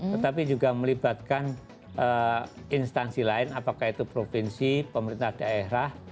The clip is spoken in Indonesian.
tetapi juga melibatkan instansi lain apakah itu provinsi pemerintah daerah